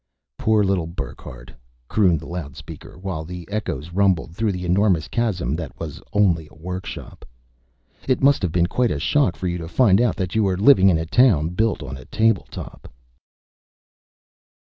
"Poor little Burckhardt," crooned the loudspeaker, while the echoes rumbled through the enormous chasm that was only a workshop. "It must have been quite a shock for you to find out you were living in a town built on a table top."